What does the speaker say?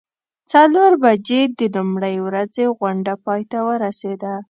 څلور بجې د لومړۍ ورځې غونډه پای ته ورسیده.